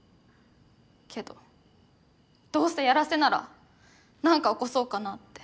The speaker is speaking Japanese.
けどどうせヤラセなら何か起こそうかなって。